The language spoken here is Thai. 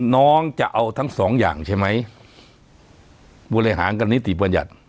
น้องจะเอาทั้งสองอย่างใช่ไหมบริหารกับนิติบัญญัติ